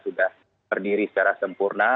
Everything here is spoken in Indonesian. sudah berdiri secara sempurna